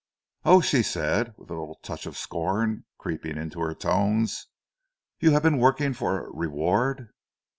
"Oh," she said with a little touch of scorn creeping into her tones. "You have been working for a reward?"